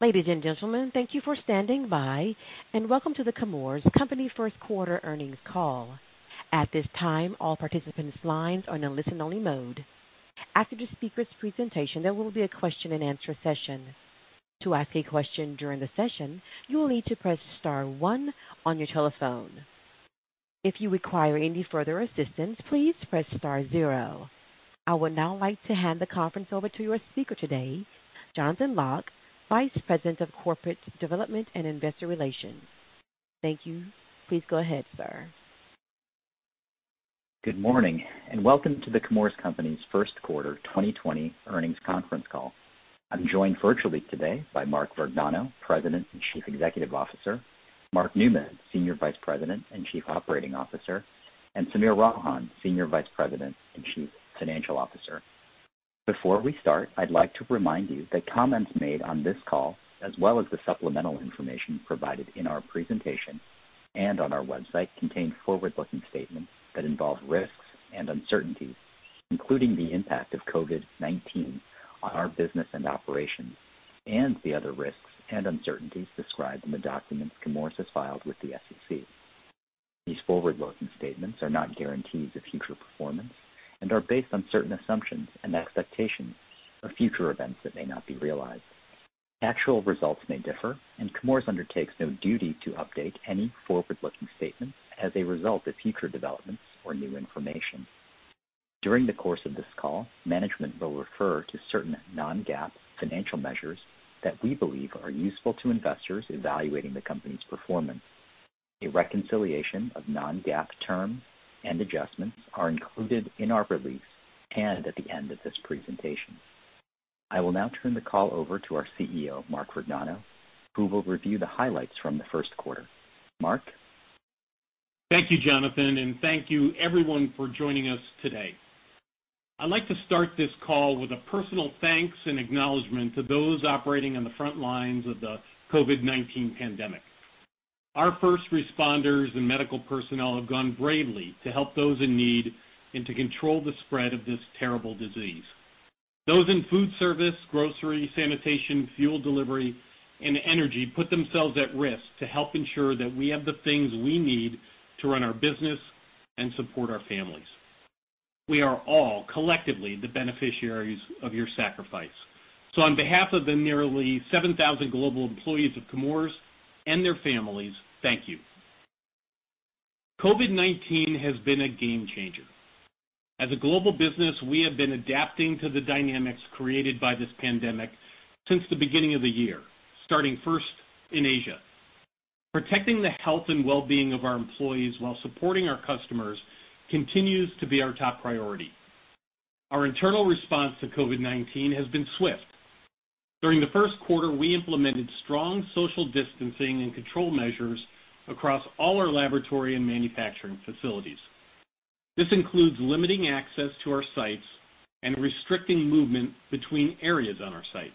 Ladies and gentlemen, thank you for standing by, and welcome to The Chemours Company First Quarter Earnings Call. At this time, all participants' lines are in a listen-only mode. After the speaker's presentation, there will be a question-and-answer session. To ask a question during the session, you will need to press star one on your telephone. If you require any further assistance, please press star zero. I would now like to hand the conference over to your speaker today, Jonathan Lock, Vice President of Corporate Development and Investor Relations. Thank you. Please go ahead, sir. Good morning, and welcome to The Chemours Company's First Quarter 2020 Earnings Conference Call. I'm joined virtually today by Mark Vergnano, President and Chief Executive Officer, Mark Newman, Senior Vice President and Chief Operating Officer, and Sameer Ralhan, Senior Vice President and Chief Financial Officer. Before we start, I'd like to remind you that comments made on this call, as well as the supplemental information provided in our presentation and on our website, contain forward-looking statements that involve risks and uncertainties, including the impact of COVID-19 on our business and operations and the other risks and uncertainties described in the documents Chemours has filed with the SEC. These forward-looking statements are not guarantees of future performance and are based on certain assumptions and expectations of future events that may not be realized. Actual results may differ, and Chemours undertakes no duty to update any forward-looking statements as a result of future developments or new information. During the course of this call, management will refer to certain non-GAAP financial measures that we believe are useful to investors evaluating the company's performance. A reconciliation of non-GAAP terms and adjustments are included in our release and at the end of this presentation. I will now turn the call over to our CEO, Mark Vergnano, who will review the highlights from the first quarter. Mark? Thank you, Jonathan. Thank you everyone for joining us today. I'd like to start this call with a personal thanks and acknowledgement to those operating on the front lines of the COVID-19 pandemic. Our first responders and medical personnel have gone bravely to help those in need and to control the spread of this terrible disease. Those in food service, grocery, sanitation, fuel delivery, and energy put themselves at risk to help ensure that we have the things we need to run our business and support our families. We are all collectively the beneficiaries of your sacrifice. On behalf of the nearly 7,000 global employees of Chemours and their families, thank you. COVID-19 has been a game changer. As a global business, we have been adapting to the dynamics created by this pandemic since the beginning of the year, starting first in Asia. Protecting the health and wellbeing of our employees while supporting our customers continues to be our top priority. Our internal response to COVID-19 has been swift. During the first quarter, we implemented strong social distancing and control measures across all our laboratory and manufacturing facilities. This includes limiting access to our sites and restricting movement between areas on our sites.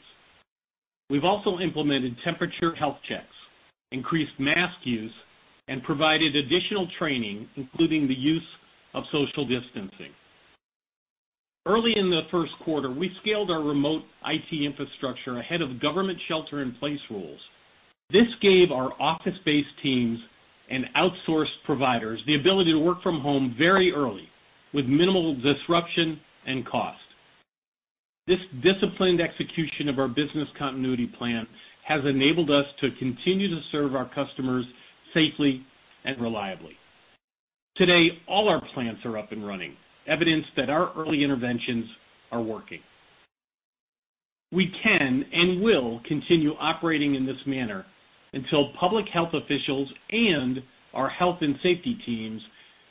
We've also implemented temperature health checks, increased mask use, and provided additional training, including the use of social distancing. Early in the first quarter, we scaled our remote IT infrastructure ahead of government shelter-in-place rules. This gave our office-based teams and outsourced providers the ability to work from home very early with minimal disruption and cost. This disciplined execution of our business continuity plan has enabled us to continue to serve our customers safely and reliably. Today, all our plants are up and running, evidence that our early interventions are working. We can and will continue operating in this manner until public health officials and our health and safety teams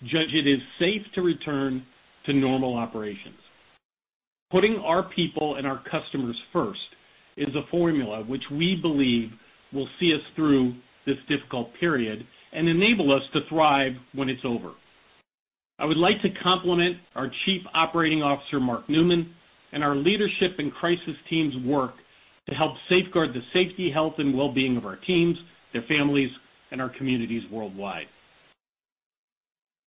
judge it is safe to return to normal operations. Putting our people and our customers first is a formula which we believe will see us through this difficult period and enable us to thrive when it's over. I would like to compliment our Chief Operating Officer, Mark Newman, and our leadership and crisis team's work to help safeguard the safety, health, and wellbeing of our teams, their families, and our communities worldwide.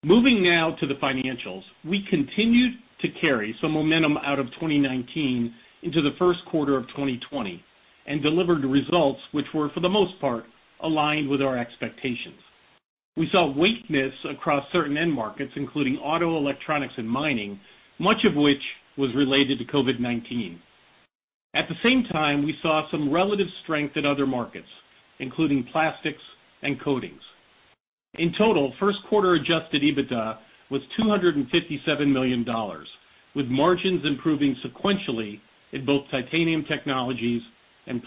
Moving now to the financials. We continued to carry some momentum out of 2019 into the first quarter of 2020 and delivered results which were, for the most part, aligned with our expectations. We saw weakness across certain end markets, including auto, electronics, and mining, much of which was related to COVID-19. At the same time, we saw some relative strength in other markets, including plastics and coatings. In total, first quarter adjusted EBITDA was $257 million, with margins improving sequentially in both Titanium Technologies and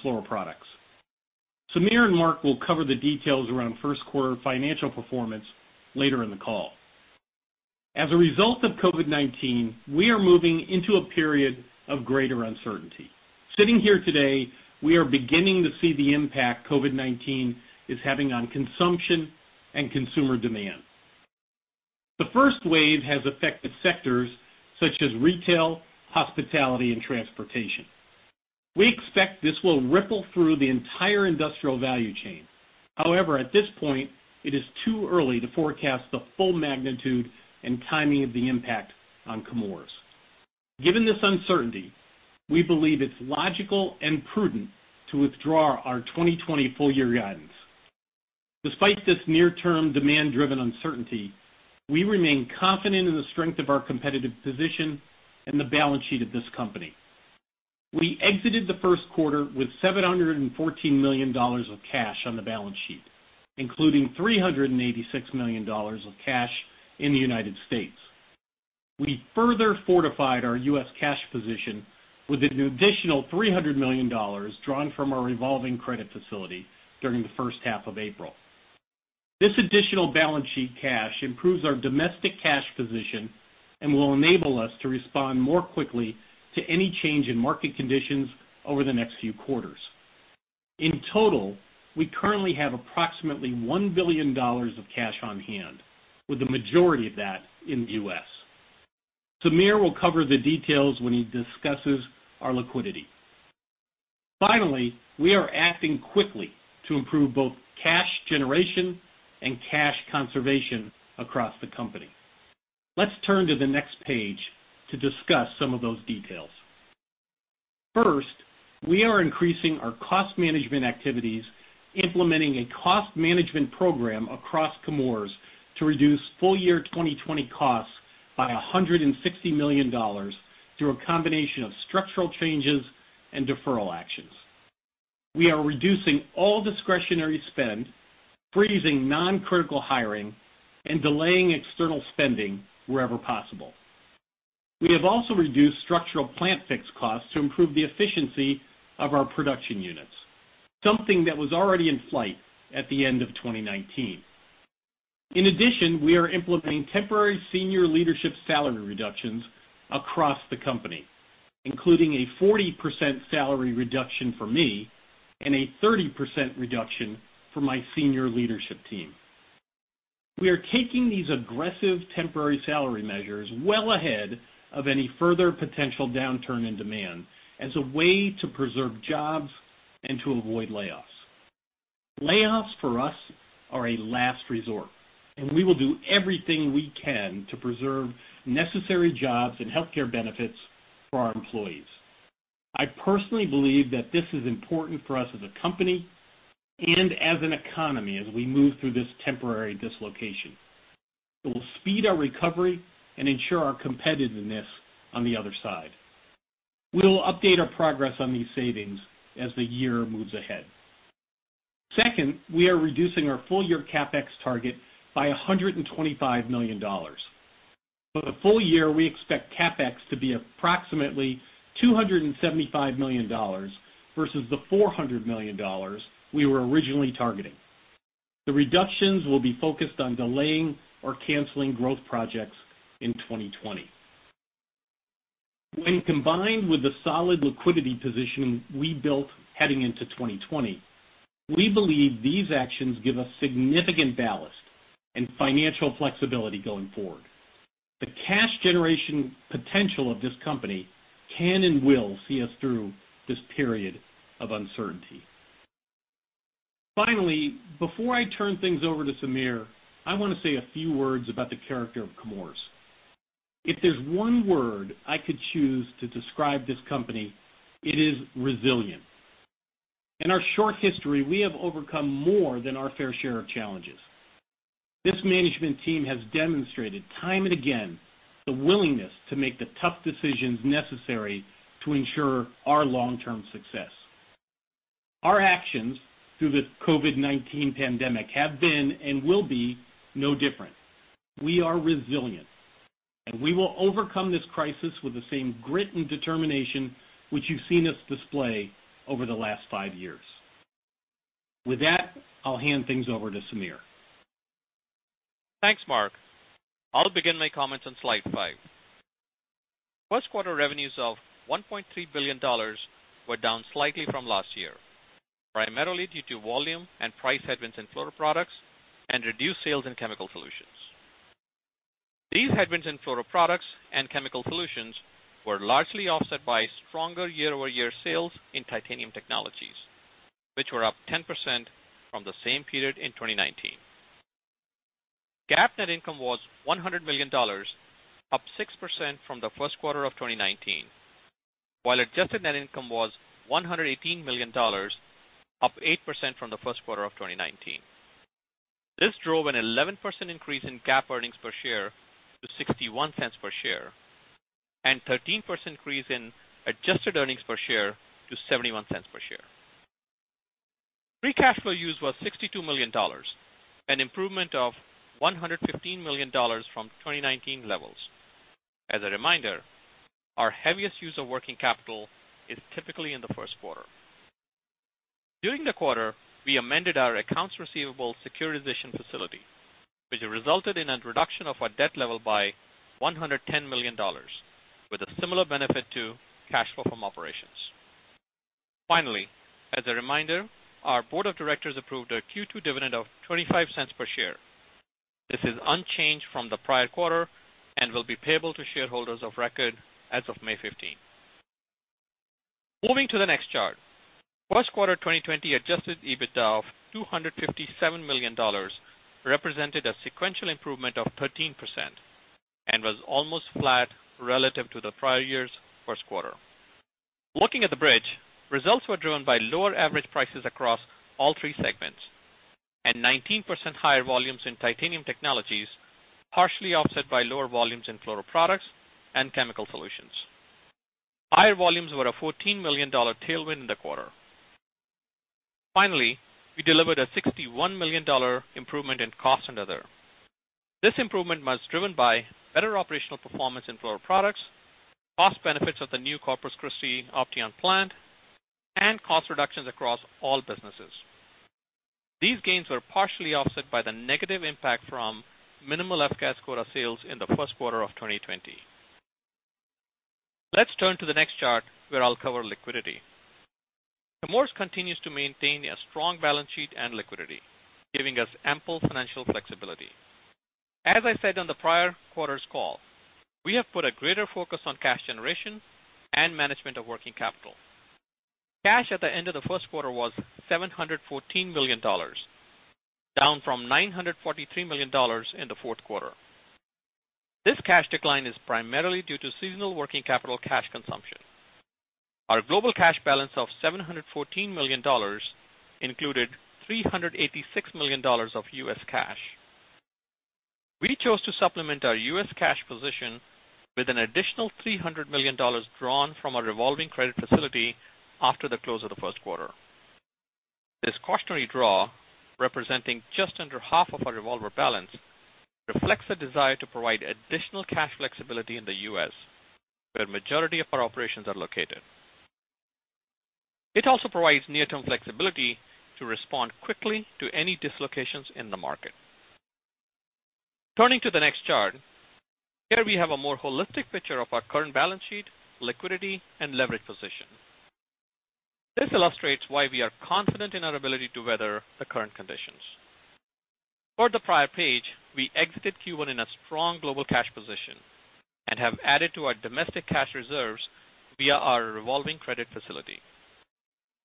Fluoroproducts. Sameer and Mark will cover the details around first quarter financial performance later in the call. As a result of COVID-19, we are moving into a period of greater uncertainty. Sitting here today, we are beginning to see the impact COVID-19 is having on consumption and consumer demand. The first wave has affected sectors such as retail, hospitality, and transportation. We expect this will ripple through the entire industrial value chain. However, at this point, it is too early to forecast the full magnitude and timing of the impact on Chemours. Given this uncertainty, we believe it's logical and prudent to withdraw our 2020 full-year guidance. Despite this near-term demand-driven uncertainty, we remain confident in the strength of our competitive position and the balance sheet of this company. We exited the first quarter with $714 million of cash on the balance sheet, including $386 million of cash in the U.S. We further fortified our U.S. cash position with an additional $300 million drawn from our revolving credit facility during the first half of April. This additional balance sheet cash improves our domestic cash position and will enable us to respond more quickly to any change in market conditions over the next few quarters. In total, we currently have approximately $1 billion of cash on hand, with the majority of that in the U.S. Sameer will cover the details when he discusses our liquidity. Finally, we are acting quickly to improve both cash generation and cash conservation across the company. Let's turn to the next page to discuss some of those details. First, we are increasing our cost management activities, implementing a Cost Management Program across Chemours to reduce full-year 2020 costs by $160 million through a combination of structural changes and deferral actions. We are reducing all discretionary spend, freezing non-critical hiring, and delaying external spending wherever possible. We have also reduced structural plant fixed costs to improve the efficiency of our production units, something that was already in flight at the end of 2019. In addition, we are implementing temporary senior leadership salary reductions across the company, including a 40% salary reduction for me and a 30% reduction for my senior leadership team. We are taking these aggressive temporary salary measures well ahead of any further potential downturn in demand as a way to preserve jobs and to avoid layoffs. Layoffs for us are a last resort, and we will do everything we can to preserve necessary jobs and healthcare benefits for our employees. I personally believe that this is important for us as a company and as an economy as we move through this temporary dislocation. It will speed our recovery and ensure our competitiveness on the other side. We'll update our progress on these savings as the year moves ahead. Second, we are reducing our full-year CapEx target by $125 million. For the full-year, we expect CapEx to be approximately $275 million versus the $400 million we were originally targeting. The reductions will be focused on delaying or canceling growth projects in 2020. When combined with the solid liquidity position we built heading into 2020, we believe these actions give us significant ballast and financial flexibility going forward. The cash generation potential of this company can and will see us through this period of uncertainty. Before I turn things over to Sameer, I want to say a few words about the character of Chemours. If there's one word I could choose to describe this company, it is resilient. In our short history, we have overcome more than our fair share of challenges. This management team has demonstrated time and again the willingness to make the tough decisions necessary to ensure our long-term success. Our actions through the COVID-19 pandemic have been and will be no different. We are resilient, and we will overcome this crisis with the same grit and determination which you've seen us display over the last five years. With that, I'll hand things over to Sameer. Thanks, Mark. I'll begin my comments on slide five. First quarter revenues of $1.3 billion were down slightly from last year, primarily due to volume and price headwinds in Fluoroproducts and reduced sales in Chemical Solutions. These headwinds in Fluoroproducts and Chemical Solutions were largely offset by stronger year-over-year sales in Titanium Technologies, which were up 10% from the same period in 2019. GAAP net income was $100 million, up 6% from the first quarter of 2019, while adjusted net income was $118 million, up 8% from the first quarter of 2019. This drove an 11% increase in GAAP earnings per share to $0.61 per share and 13% increase in adjusted earnings per share to $0.71 per share. Free cash flow use was $62 million, an improvement of $115 million from 2019 levels. As a reminder, our heaviest use of working capital is typically in the first quarter. During the quarter, we amended our accounts receivable securitization facility, which resulted in a reduction of our debt level by $110 million, with a similar benefit to cash flow from operations. Finally, as a reminder, our board of directors approved a Q2 dividend of $0.25 per share. This is unchanged from the prior quarter and will be payable to shareholders of record as of May 15th. Moving to the next chart. First quarter 2020 adjusted EBITDA of $257 million represented a sequential improvement of 13% and was almost flat relative to the prior year's first quarter. Looking at the bridge, results were driven by lower average prices across all three segments and 19% higher volumes in Titanium Technologies, partially offset by lower volumes in Fluoroproducts and Chemical Solutions. Higher volumes were a $14 million tailwind in the quarter. Finally, we delivered a $61 million improvement in cost and other. This improvement was driven by better operational performance in Fluoroproducts, cost benefits of the new Corpus Christi Opteon plant, and cost reductions across all businesses. These gains were partially offset by the negative impact from minimal F-Gas quota sales in the first quarter of 2020. Let's turn to the next chart, where I'll cover liquidity. Chemours continues to maintain a strong balance sheet and liquidity, giving us ample financial flexibility. As I said on the prior quarter's call, we have put a greater focus on cash generation and management of working capital. Cash at the end of the first quarter was $714 million, down from $943 million in the fourth quarter. This cash decline is primarily due to seasonal working capital cash consumption. Our global cash balance of $714 million included $386 million of U.S. cash. We chose to supplement our U.S. cash position with an additional $300 million drawn from our revolving credit facility after the close of the first quarter. This cautionary draw, representing just under half of our revolver balance, reflects a desire to provide additional cash flexibility in the U.S., where the majority of our operations are located. It also provides near-term flexibility to respond quickly to any dislocations in the market. Turning to the next chart, here we have a more holistic picture of our current balance sheet, liquidity, and leverage position. This illustrates why we are confident in our ability to weather the current conditions. For the prior page, we exited Q1 in a strong global cash position and have added to our domestic cash reserves via our revolving credit facility.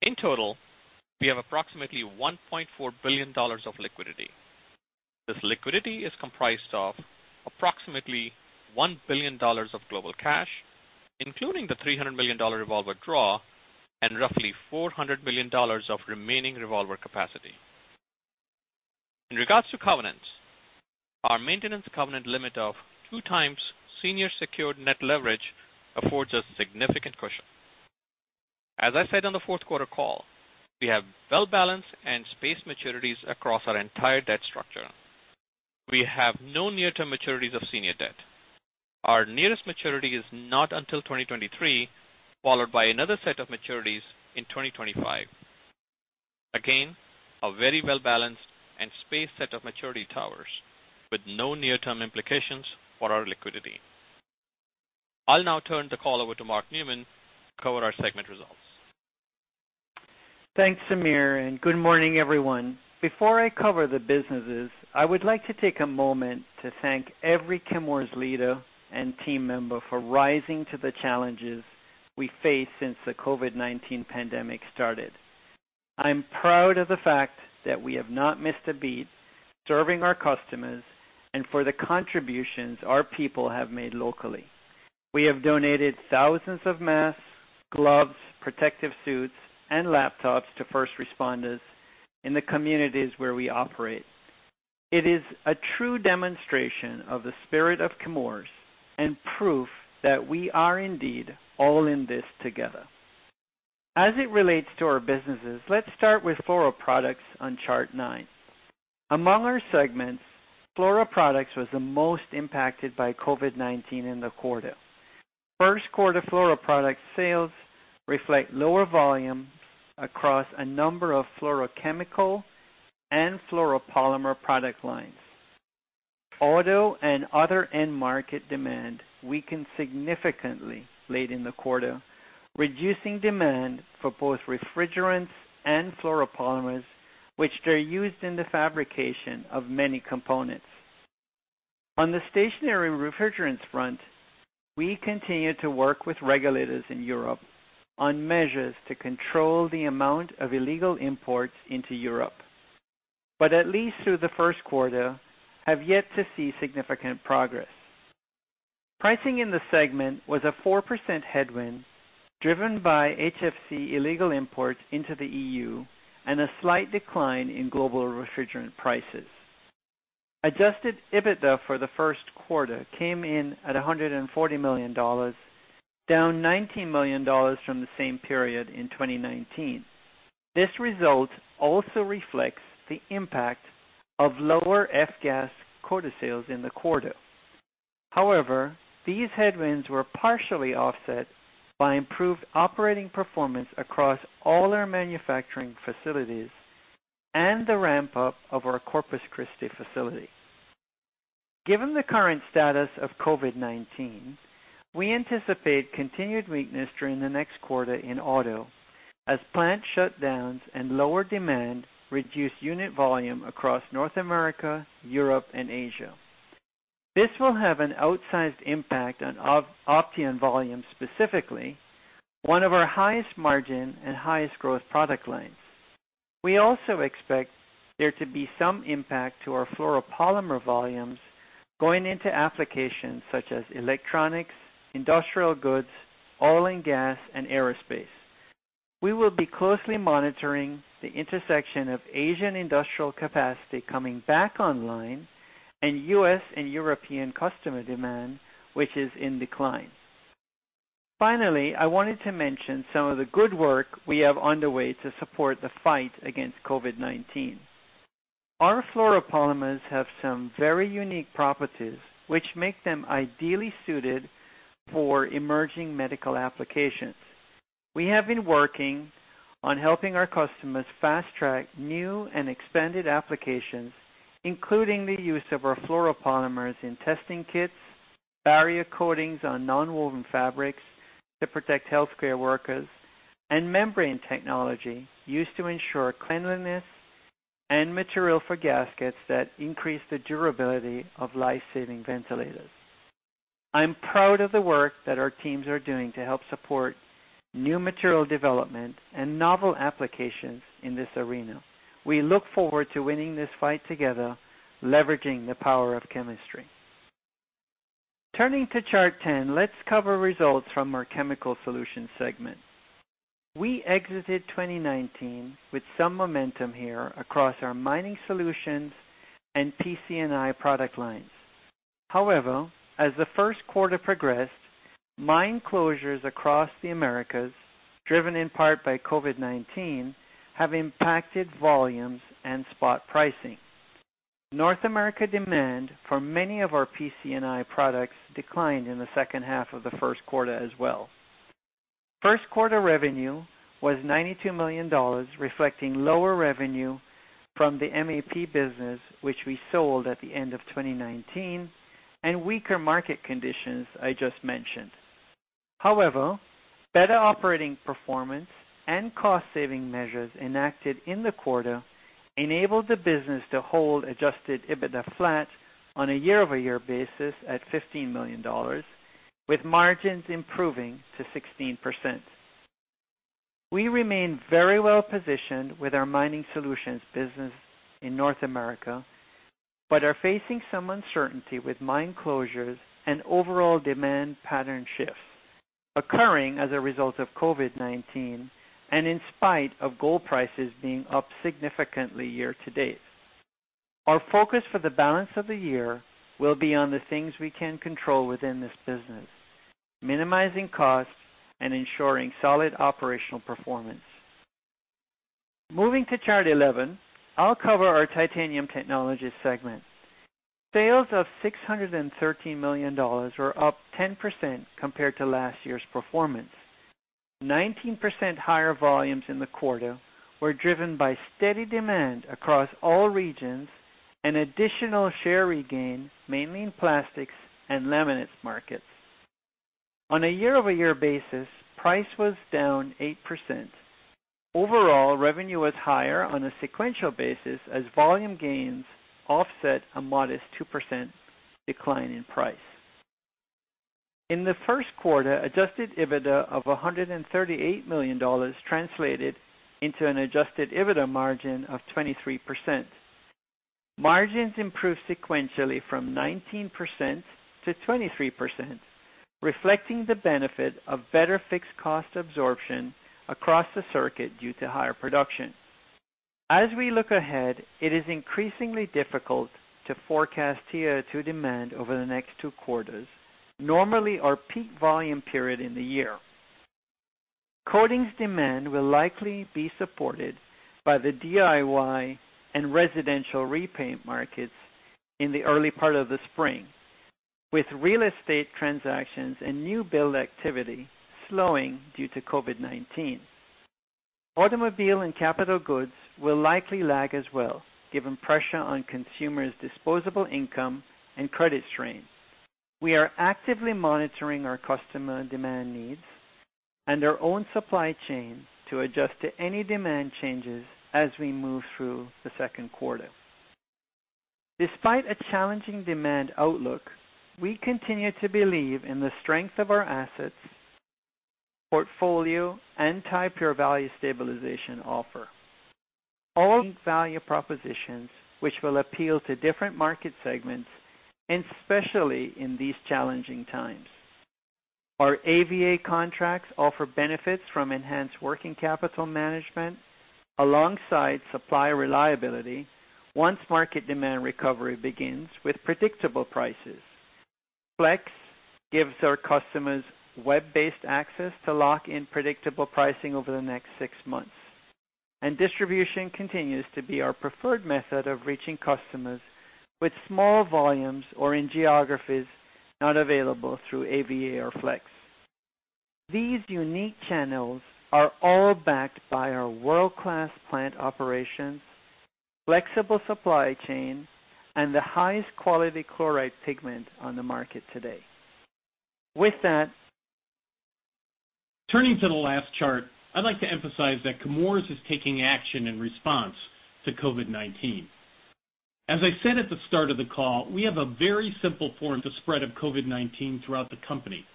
In total, we have approximately $1.4 billion of liquidity. This liquidity is comprised of approximately $1 billion of global cash, including the $300 million revolver draw and roughly $400 million of remaining revolver capacity. In regards to covenants, our maintenance covenant limit of two times senior secured net leverage affords us significant cushion. As I said on the fourth quarter call, we have well balanced and spaced maturities across our entire debt structure. We have no near-term maturities of senior debt. Our nearest maturity is not until 2023, followed by another set of maturities in 2025. A very well-balanced and spaced set of maturity towers with no near-term implications for our liquidity. I'll now turn the call over to Mark Newman to cover our segment results. Thanks, Sameer, and good morning, everyone. Before I cover the businesses, I would like to take a moment to thank every Chemours leader and team member for rising to the challenges we face since the COVID-19 pandemic started. I'm proud of the fact that we have not missed a beat serving our customers and for the contributions our people have made locally. We have donated thousands of masks, gloves, protective suits, and laptops to first responders in the communities where we operate. It is a true demonstration of the spirit of Chemours and proof that we are indeed all in this together. As it relates to our businesses, let's start with Fluoroproducts on chart nine. Among our segments, Fluoroproducts was the most impacted by COVID-19 in the quarter. First quarter Fluoroproducts sales reflect lower volume across a number of fluorochemical and fluoropolymer product lines. Auto and other end-market demand weakened significantly late in the quarter, reducing demand for both refrigerants and fluoropolymers, which they're used in the fabrication of many components. On the stationary refrigerants front, we continue to work with regulators in Europe on measures to control the amount of illegal imports into Europe, but at least through the first quarter, have yet to see significant progress. Pricing in the segment was a 4% headwind, driven by HFC illegal imports into the EU and a slight decline in global refrigerant prices. Adjusted EBITDA for the first quarter came in at $140 million, down $19 million from the same period in 2019. This result also reflects the impact of lower F-Gas quota sales in the quarter. However, these headwinds were partially offset by improved operating performance across all our manufacturing facilities and the ramp-up of our Corpus Christi facility. Given the current status of COVID-19, we anticipate continued weakness during the next quarter in auto as plant shutdowns and lower demand reduce unit volume across North America, Europe, and Asia. This will have an outsized impact on Opteon volume specifically, one of our highest margin and highest growth product lines. We also expect there to be some impact to our fluoropolymer volumes going into applications such as electronics, industrial goods, oil and gas, and aerospace. We will be closely monitoring the intersection of Asian industrial capacity coming back online and U.S. and European customer demand, which is in decline. Finally, I wanted to mention some of the good work we have underway to support the fight against COVID-19. Our fluoropolymers have some very unique properties which make them ideally suited for emerging medical applications. We have been working on helping our customers fast-track new and expanded applications, including the use of our fluoropolymers in testing kits, barrier coatings on nonwoven fabrics to protect healthcare workers, and membrane technology used to ensure cleanliness, and material for gaskets that increase the durability of life-saving ventilators. I'm proud of the work that our teams are doing to help support new material development and novel applications in this arena. We look forward to winning this fight together, leveraging the power of chemistry. Turning to Chart 10, let's cover results from our Chemical Solutions segment. We exited 2019 with some momentum here across our mining solutions and PC&I product lines. However, as the first quarter progressed, mine closures across the Americas, driven in part by COVID-19, have impacted volumes and spot pricing. North America demand for many of our PC&I products declined in the second half of the first quarter as well. First quarter revenue was $92 million, reflecting lower revenue from the MAP business, which we sold at the end of 2019, and weaker market conditions I just mentioned. Better operating performance and cost-saving measures enacted in the quarter enabled the business to hold adjusted EBITDA flat on a year-over-year basis at $15 million, with margins improving to 16%. We remain very well positioned with our mining solutions business in North America, but are facing some uncertainty with mine closures and overall demand pattern shifts occurring as a result of COVID-19, and in spite of gold prices being up significantly year-to-date. Our focus for the balance of the year will be on the things we can control within this business, minimizing costs and ensuring solid operational performance. Moving to Chart 11, I'll cover our Titanium Technologies segment. Sales of $613 million were up 10% compared to last year's performance. 19% higher volumes in the quarter were driven by steady demand across all regions and additional share regain, mainly in plastics and laminates markets. On a year-over-year basis, price was down 8%. Overall, revenue was higher on a sequential basis as volume gains offset a modest 2% decline in price. In the first quarter, adjusted EBITDA of $138 million translated into an adjusted EBITDA margin of 23%. Margins improved sequentially from 19% to 23%, reflecting the benefit of better fixed cost absorption across the circuit due to higher production. As we look ahead, it is increasingly difficult to forecast TiO2 demand over the next two quarters, normally our peak volume period in the year. Coatings demand will likely be supported by the DIY and residential repaint markets in the early part of the spring, with real estate transactions and new build activity slowing due to COVID-19. Automobile and capital goods will likely lag as well, given pressure on consumers' disposable income and credit strain. We are actively monitoring our customer demand needs and our own supply chain to adjust to any demand changes as we move through the second quarter. Despite a challenging demand outlook, we continue to believe in the strength of our assets, portfolio, and Ti-Pure Value Stabilization Offer. All value propositions which will appeal to different market segments, especially in these challenging times. Our AVA contracts offer benefits from enhanced working capital management alongside supplier reliability once market demand recovery begins with predictable prices. Flex gives our customers web-based access to lock in predictable pricing over the next six months. Distribution continues to be our preferred method of reaching customers with small volumes or in geographies not available through AVA or Flex. These unique channels are all backed by our world-class plant operations, flexible supply chain, and the highest quality chloride pigment on the market today. With that. Turning to the last chart, I'd like to emphasize that Chemours is taking action in response to COVID-19. As I said at the start of the call, we have a very simple form to spread of COVID-19 throughout the company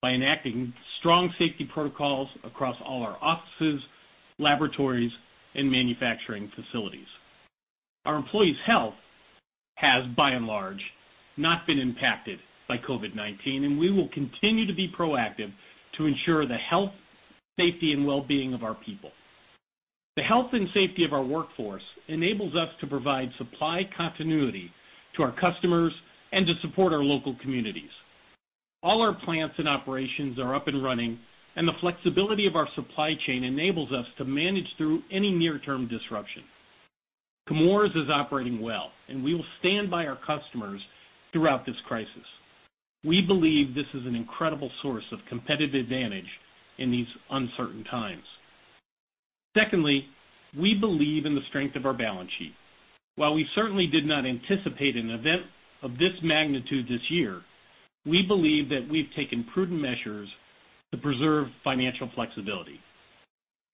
by enacting strong safety protocols across all our offices, laboratories, and manufacturing facilities. Our employees' health has, by and large, not been impacted by COVID-19, and we will continue to be proactive to ensure the health, safety, and well-being of our people. The health and safety of our workforce enables us to provide supply continuity to our customers and to support our local communities. All our plants and operations are up and running, and the flexibility of our supply chain enables us to manage through any near-term disruption. Chemours is operating well, and we will stand by our customers throughout this crisis. We believe this is an incredible source of competitive advantage in these uncertain times. Secondly, we believe in the strength of our balance sheet. While we certainly did not anticipate an event of this magnitude this year, we believe that we've taken prudent measures to preserve financial flexibility.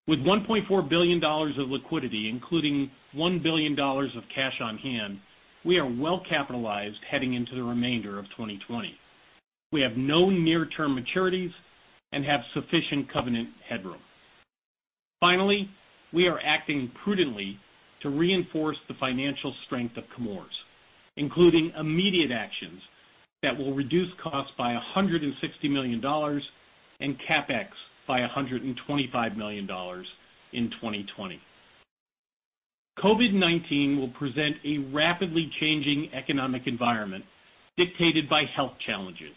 With $1.4 billion of liquidity, including $1 billion of cash on hand, we are well capitalized heading into the remainder of 2020. We have no near-term maturities and have sufficient covenant headroom. Finally, we are acting prudently to reinforce the financial strength of Chemours, including immediate actions that will reduce costs by $160 million and CapEx by $125 million in 2020. COVID-19 will present a rapidly changing economic environment dictated by health challenges,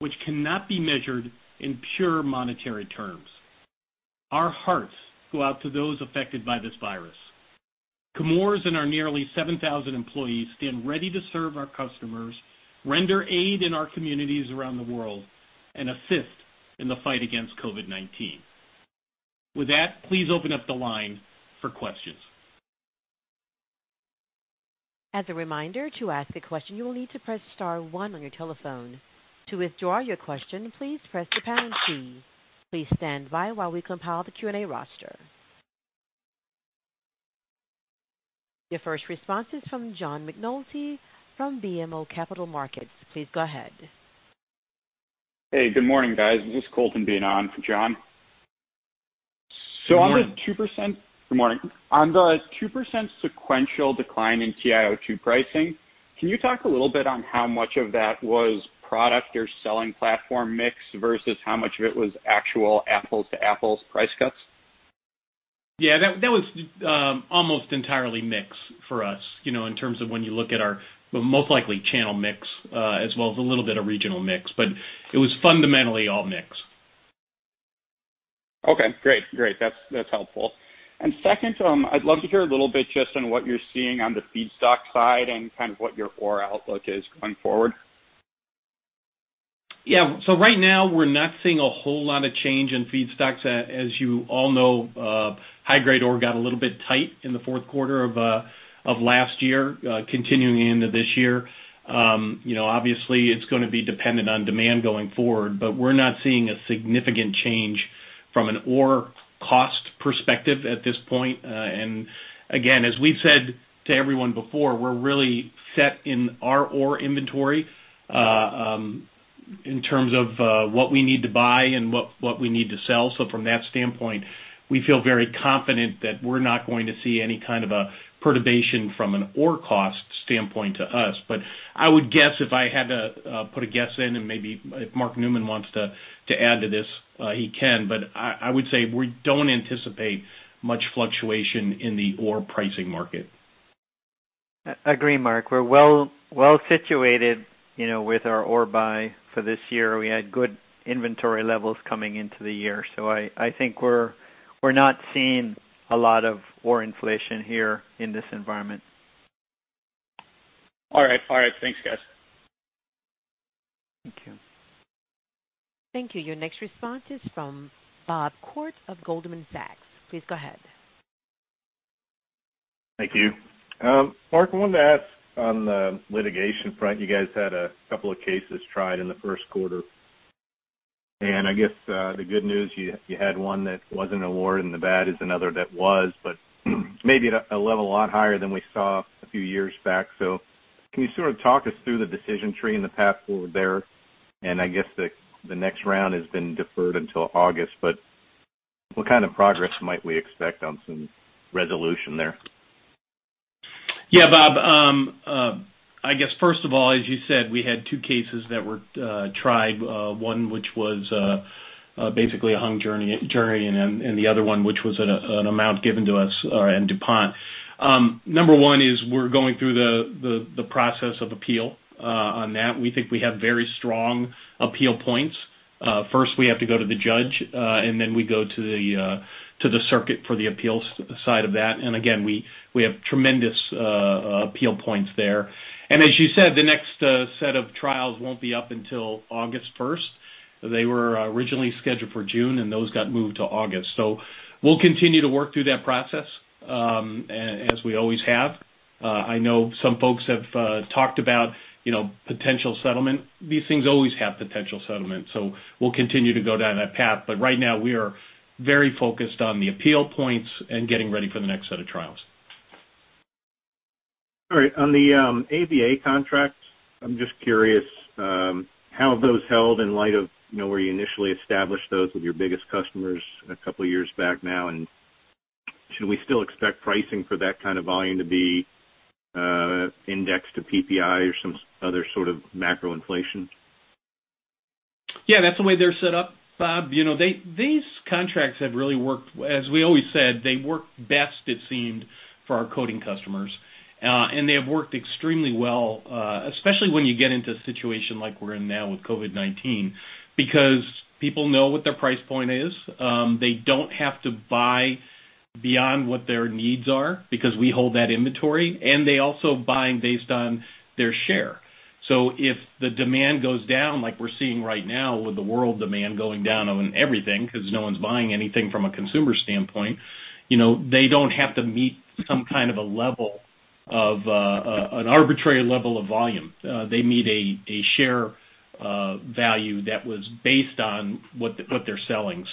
which cannot be measured in pure monetary terms. Our hearts go out to those affected by this virus. Chemours and our nearly 7,000 employees stand ready to serve our customers, render aid in our communities around the world, and assist in the fight against COVID-19. With that, please open up the line for questions. As a reminder, to ask a question, you will need to press star one on your telephone. To withdraw your question, please press the pound key. Please stand by while we compile the Q&A roster. Your first response is from John McNulty from BMO Capital Markets. Please go ahead. Hey, good morning, guys. This is Colton Bina on for John. Good morning. Good morning. On the 2% sequential decline in TiO2 pricing, can you talk a little bit on how much of that was product or selling platform mix versus how much of it was actual apples-to-apples price cuts? Yeah, that was almost entirely mix for us in terms of when you look at our most likely channel mix as well as a little bit of regional mix. It was fundamentally all mix. Okay, great. That's helpful. Second, I'd love to hear a little bit just on what you're seeing on the feedstock side and what your ore outlook is going forward. Yeah. Right now, we're not seeing a whole lot of change in feedstocks. As you all know, high-grade ore got a little bit tight in the fourth quarter of last year, continuing into this year. Obviously, it's going to be dependent on demand going forward, but we're not seeing a significant change from an ore cost perspective at this point. Again, as we've said to everyone before, we're really set in our ore inventory, in terms of what we need to buy and what we need to sell. From that standpoint, we feel very confident that we're not going to see any kind of a perturbation from an ore cost standpoint to us. I would guess if I had to put a guess in, and maybe if Mark Newman wants to add to this, he can, but I would say we don't anticipate much fluctuation in the ore pricing market. Agree, Mark. We're well situated with our ore buy for this year. We had good inventory levels coming into the year. I think we're not seeing a lot of ore inflation here in this environment. All right. Thanks, guys. Thank you. Thank you. Your next response is from Bob Koort of Goldman Sachs. Please go ahead. Thank you. Mark, I wanted to ask on the litigation front. You guys had a couple of cases tried in the first quarter. I guess the good news, you had one that wasn't awarded, and the bad is another that was, but maybe at a level a lot higher than we saw a few years back. Can you sort of talk us through the decision tree and the path forward there? I guess the next round has been deferred until August, but what kind of progress might we expect on some resolution there? Yeah, Bob. I guess, first of all, as you said, we had two cases that were tried, one which was basically a hung jury, and the other one, which was an amount given to us and DuPont. Number one is we're going through the process of appeal on that. We think we have very strong appeal points. First, we have to go to the judge. Then we go to the circuit for the appeals side of that. Again, we have tremendous appeal points there. As you said, the next set of trials won't be up until August 1st. They were originally scheduled for June. Those got moved to August. We'll continue to work through that process as we always have. I know some folks have talked about potential settlement. These things always have potential settlement. We'll continue to go down that path. Right now, we are very focused on the appeal points and getting ready for the next set of trials. All right. On the AVA contracts, I'm just curious how those held in light of where you initially established those with your biggest customers a couple of years back now, should we still expect pricing for that kind of volume to be indexed to PPI or some other sort of macro inflation? That's the way they're set up, Bob. These contracts have really worked. As we always said, they worked best, it seemed, for our coatings customers. They have worked extremely well, especially when you get into a situation like we're in now with COVID-19, because people know what their price point is. They don't have to buy beyond what their needs are because we hold that inventory, and they're also buying based on their share. If the demand goes down like we're seeing right now with the world demand going down on everything, because no one's buying anything from a consumer standpoint, they don't have to meet some kind of an arbitrary level of volume. They meet a share value that was based on what they're selling.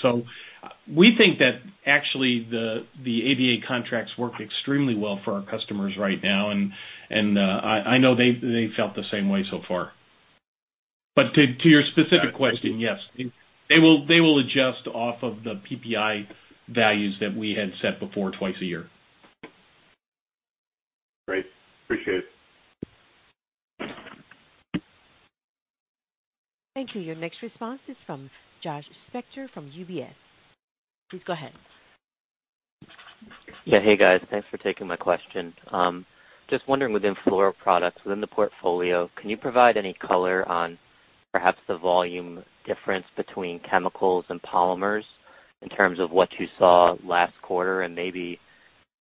We think that actually the AVA contracts work extremely well for our customers right now, and I know they've felt the same way so far. To your specific question, yes, they will adjust off of the PPI values that we had set before twice a year. Great. Appreciate it. Thank you. Your next response is from Josh Spector from UBS. Please go ahead. Yeah. Hey, guys. Thanks for taking my question. Just wondering within Fluoroproducts, within the portfolio, can you provide any color on perhaps the volume difference between chemicals and polymers in terms of what you saw last quarter and maybe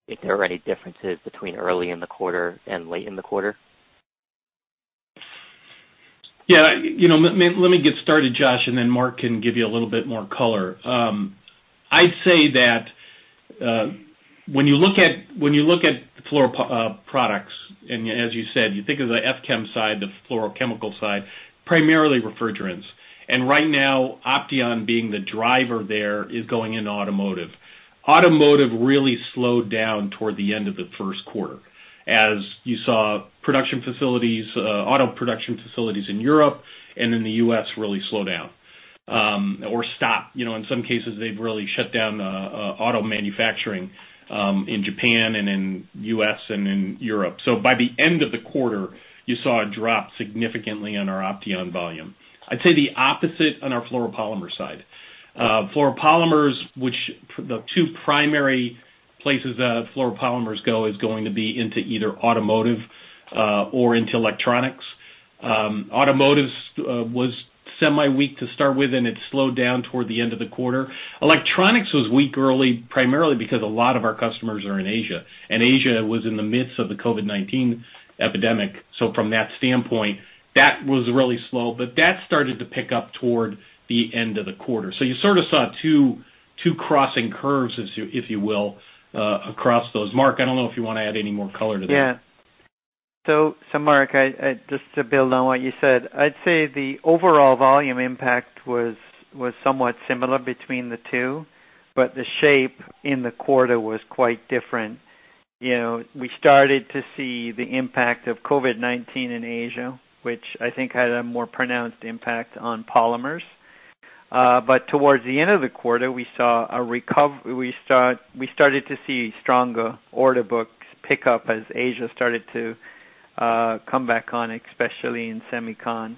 if there are any differences between early in the quarter and late in the quarter? Yeah. Let me get started, Josh, and then Mark can give you a little bit more color. I'd say that when you look at Fluoroproducts, and as you said, you think of the F Chem side, the fluorochemical side, primarily refrigerants. Right now, Opteon being the driver there is going into automotive. Automotive really slowed down toward the end of the first quarter as you saw auto production facilities in Europe and in the U.S. really slow down or stop. In some cases, they've really shut down auto manufacturing in Japan and in U.S. and in Europe. By the end of the quarter, you saw a drop significantly on our Opteon volume. I'd say the opposite on our fluoropolymer side. Fluoropolymers, which the two primary places that fluoropolymers go is going to be into either automotive or into electronics. Automotive was semi-weak to start with, and it slowed down toward the end of the quarter. Electronics was weak early, primarily because a lot of our customers are in Asia, and Asia was in the midst of the COVID-19 epidemic. From that standpoint, that was really slow, but that started to pick up toward the end of the quarter. You sort of saw two crossing curves, if you will, across those. Mark, I don't know if you want to add any more color to that. Mark, just to build on what you said, I'd say the overall volume impact was somewhat similar between the two, but the shape in the quarter was quite different. We started to see the impact of COVID-19 in Asia, which I think had a more pronounced impact on polymers. Towards the end of the quarter, we started to see stronger order books pick up as Asia started to come back on, especially in semicon.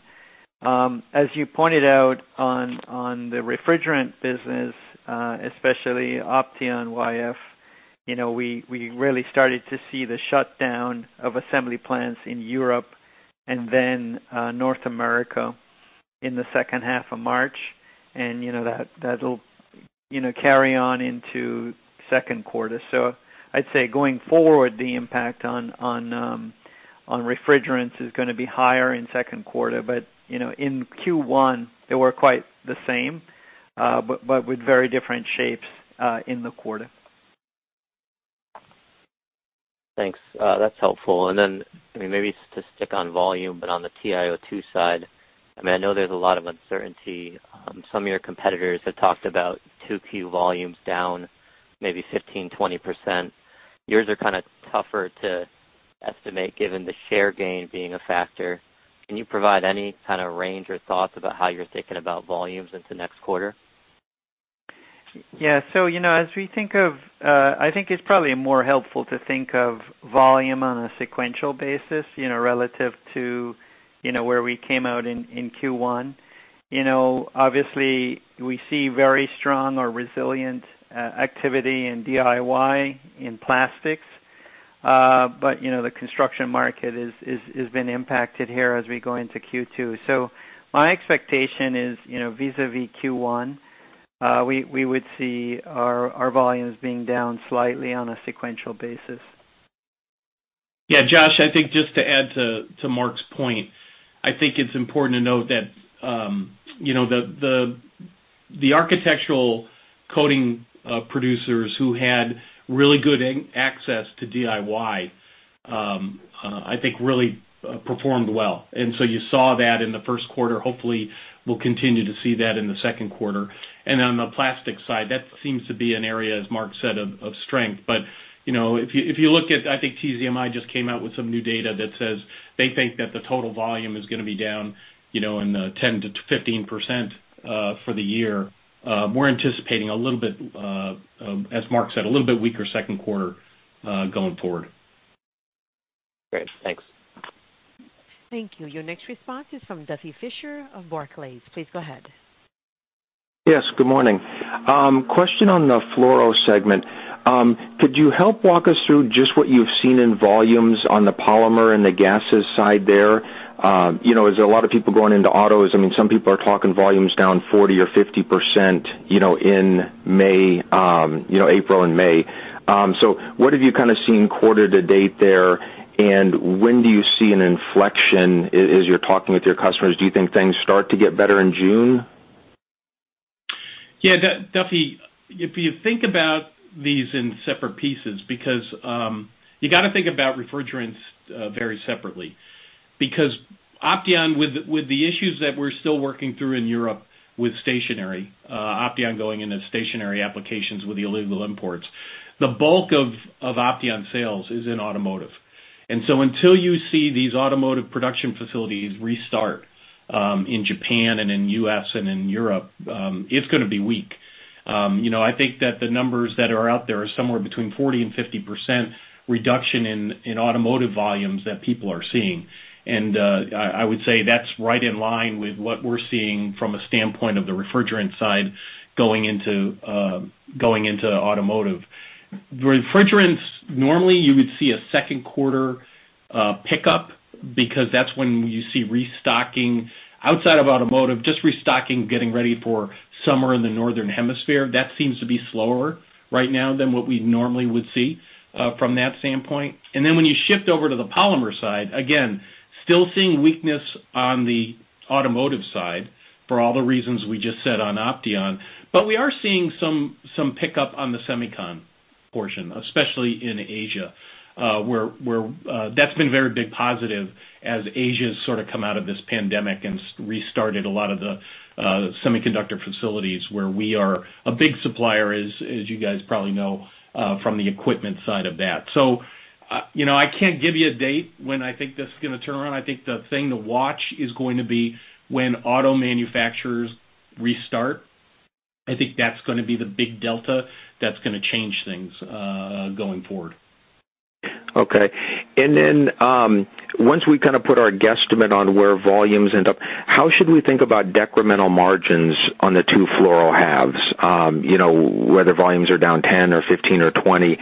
As you pointed out on the refrigerant business, especially Opteon YF, we really started to see the shutdown of assembly plants in Europe and then North America in the second half of March, and that'll carry on into second quarter. I'd say going forward, the impact on refrigerants is going to be higher in second quarter. In Q1, they were quite the same but with very different shapes in the quarter. Thanks. That's helpful. Maybe to stick on volume, on the TiO2 side, I know there's a lot of uncertainty. Some of your competitors have talked about 2Q volumes down maybe 15%-20%. Yours are tougher to estimate, given the share gain being a factor. Can you provide any kind of range or thoughts about how you're thinking about volumes into next quarter? Yeah. I think it's probably more helpful to think of volume on a sequential basis relative to where we came out in Q1. Obviously, we see very strong or resilient activity in DIY in plastics. The construction market has been impacted here as we go into Q2. My expectation is, vis-à-vis Q1, we would see our volumes being down slightly on a sequential basis. Yeah, Josh, I think just to add to Mark's point, I think it's important to note that The architectural coating producers who had really good access to DIY, I think really performed well. You saw that in the first quarter. Hopefully, we'll continue to see that in the second quarter. On the plastic side, that seems to be an area, as Mark said, of strength. If you look at, I think TZMI just came out with some new data that says they think that the total volume is going to be down in the 10%-15% for the year. We're anticipating, as Mark said, a little bit weaker second quarter going forward. Great. Thanks. Thank you. Your next response is from Duffy Fischer of Barclays. Please go ahead. Good morning. Question on the fluoro segment. Could you help walk us through just what you've seen in volumes on the polymer and the gases side there? Is there a lot of people going into autos? Some people are talking volumes down 40% or 50% in April and May. What have you seen quarter to date there, and when do you see an inflection as you're talking with your customers? Do you think things start to get better in June? Yeah, Duffy, if you think about these in separate pieces, because you got to think about refrigerants very separately, because Opteon, with the issues that we're still working through in Europe with stationary, Opteon going into stationary applications with the illegal imports, the bulk of Opteon sales is in automotive. Until you see these automotive production facilities restart in Japan and in the U.S. and in Europe, it's going to be weak. I think that the numbers that are out there are somewhere between 40% and 50% reduction in automotive volumes that people are seeing. I would say that's right in line with what we're seeing from a standpoint of the refrigerant side going into automotive. Refrigerants, normally you would see a second quarter pickup because that's when you see restocking outside of automotive, just restocking, getting ready for summer in the northern hemisphere. That seems to be slower right now than what we normally would see from that standpoint. When you shift over to the polymer side, again, still seeing weakness on the automotive side for all the reasons we just said on Opteon. We are seeing some pickup on the semicon portion, especially in Asia, where that's been very big positive as Asia's sort of come out of this pandemic and restarted a lot of the semiconductor facilities where we are a big supplier, as you guys probably know from the equipment side of that. I can't give you a date when I think this is going to turn around. I think the thing to watch is going to be when auto manufacturers restart. I think that's going to be the big delta that's going to change things going forward. Okay. Then once we kind of put our guesstimate on where volumes end up, how should we think about decremental margins on the two fluoro halves? Whether volumes are down 10 or 15 or 20,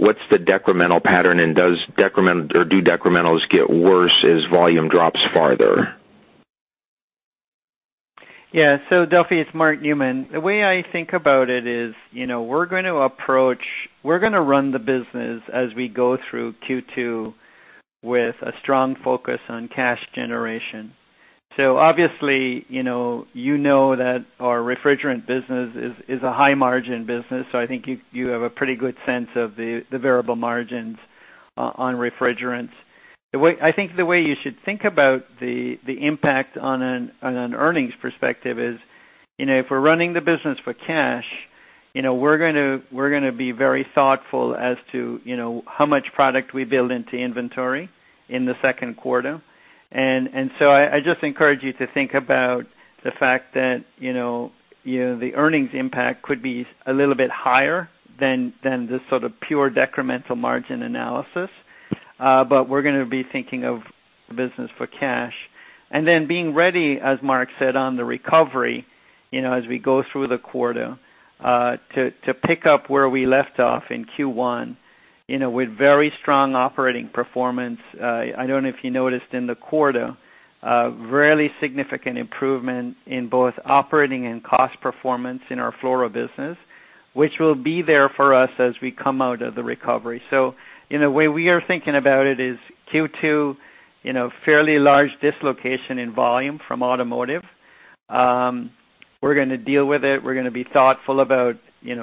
what's the decremental pattern, and do decrementals get worse as volume drops farther? Yeah. Duffy, it's Mark Newman. The way I think about it is we're going to run the business as we go through Q2 with a strong focus on cash generation. Obviously, you know that our refrigerant business is a high margin business, so I think you have a pretty good sense of the variable margins on refrigerants. I think the way you should think about the impact on an earnings perspective is if we're running the business for cash, we're going to be very thoughtful as to how much product we build into inventory in the second quarter. I just encourage you to think about the fact that the earnings impact could be a little bit higher than this sort of pure decremental margin analysis. We're going to be thinking of the business for cash. Being ready, as Mark said, on the recovery as we go through the quarter to pick up where we left off in Q1 with very strong operating performance. I don't know if you noticed in the quarter, really significant improvement in both operating and cost performance in our Fluoroproducts business, which will be there for us as we come out of the recovery. The way we are thinking about it is Q2, fairly large dislocation in volume from automotive. We're going to deal with it. We're going to be thoughtful about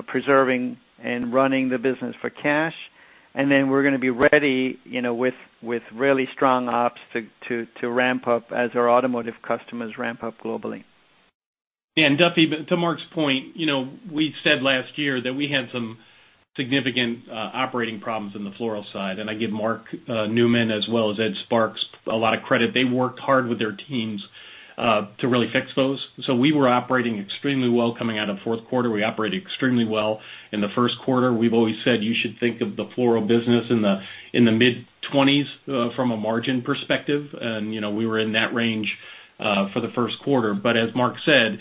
preserving and running the business for cash. We're going to be ready with really strong ops to ramp up as our automotive customers ramp up globally. Duffy, to Mark's point, we said last year that we had some significant operating problems in the fluoro side, and I give Mark Newman as well as Ed Sparks a lot of credit. They worked hard with their teams to really fix those. We were operating extremely well coming out of fourth quarter. We operated extremely well in the first quarter. We've always said you should think of the fluoro business in the mid-20s from a margin perspective. We were in that range for the first quarter. As Mark said,